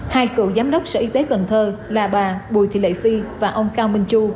hai cựu giám đốc sở y tế cần thơ là bà bùi thị lệ phi và ông cao minh chu